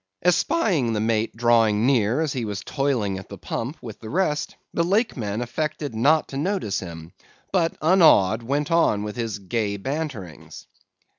"Espying the mate drawing near as he was toiling at the pump with the rest, the Lakeman affected not to notice him, but unawed, went on with his gay banterings.